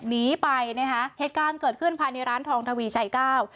หนีไปนะคะเหตุการณ์เกิดขึ้นภายในร้านทองทวีชัยเก้า